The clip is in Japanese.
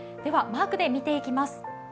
マークで見ていきます。